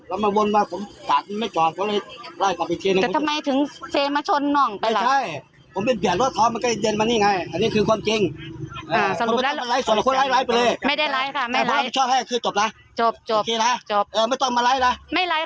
แล้วมาวนว่าผมกัดไม่จอดเพราะเลยไล่กลับอีกที